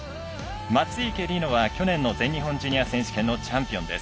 松生理乃は去年の全日本ジュニア選手権大会のチャンピオンです。